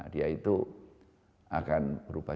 dia itu akan berubah